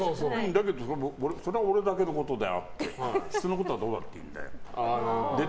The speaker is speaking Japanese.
だけど、それは俺だけのことであって人のことはどうだっていいんだよ。